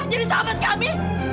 menjadi sahabat kami